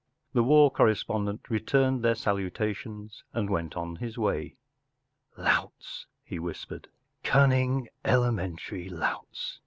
The war correspondent returned their salutations and went on his way. “ Louts,” he whispered. “ Cunning, ele¬ mentary louts.